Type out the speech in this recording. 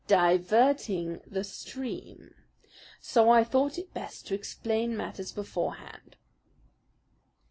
" diverting the stream; so I thought it best to explain matters beforehand.